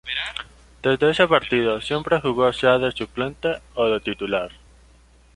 Desde ese partido siempre jugó sea de suplente o de titular.